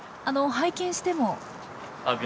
あの拝見しても？